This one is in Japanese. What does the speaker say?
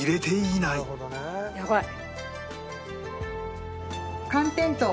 やばい！